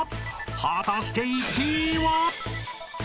［果たして１位は？］